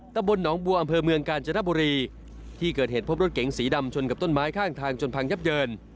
ตำบลหนองบัวอำเภอเมืองกาญจนบุรีที่เกิดเหตุพบรถเก๋งสีดำชนกับต้นไม้ข้างทางจนพังยับเยิน